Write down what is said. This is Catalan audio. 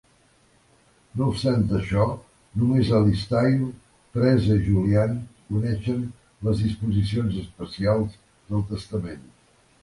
No obstant això, només Alistair, Theresa i Julian coneixen les disposicions especials del testament.